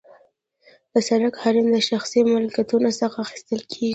د سرک حریم د شخصي ملکیتونو څخه اخیستل کیږي